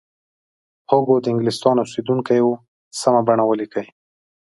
هوګو د انګلستان اوسیدونکی و سمه بڼه ولیکئ.